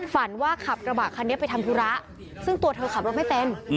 ฝันว่าขับกระบะคันนี้ไปทำธุระซึ่งตัวเธอขับรถไม่เป็น